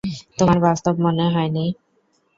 তোমার বাস্তব মনে হয় নি?